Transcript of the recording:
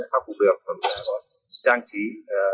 học cũng được trang trí